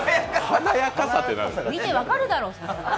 見て分かるだろ！